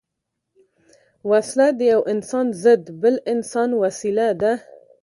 وسله د یو انسان ضد بل انسان وسيله ده